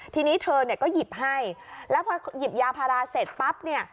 ทีนี้เธอเนี่ยก็หยิบให้แล้วพอหยิบยาพาราเสร็จปั๊บเนี่ย